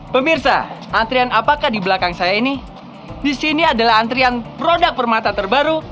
pemirsa antrian apakah di belakang saya ini di sini adalah antrian produk permata terbaru